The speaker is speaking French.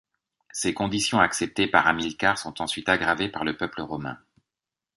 Ces conditions acceptées par Hamilcar sont ensuite aggravées par le peuple romain.